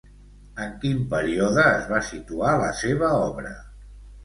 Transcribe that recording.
En quin període es va situar la seva obra?